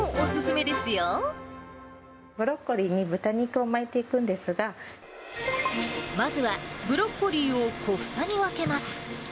ブロッコリーに豚肉を巻いてまずは、ブロッコリーを小房に分けます。